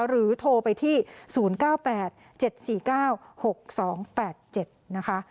โทรไปที่๐๙๘๗๔๙๖๒๘๗นะคะ